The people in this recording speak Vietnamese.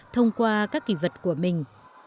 thông qua các kỳ vật của mình